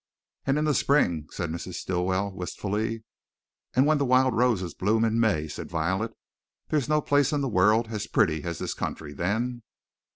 "And in the spring," said Mrs. Stilwell, wistfully. "And when the wild roses bloom along in May," said Violet. "There's no place in the world as pretty as this country then."